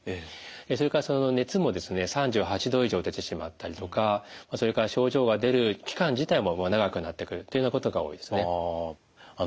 それから熱も３８度以上出てしまったりとかそれから症状が出る期間自体も長くなってくるというようなことが多いですね。